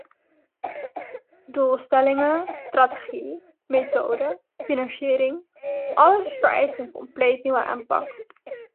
Doelstellingen, strategie, methode, financiering, alles vereist een compleet nieuwe aanpak.